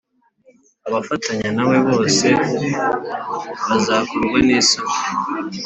abafatanya na we bose bazakorwa n isoni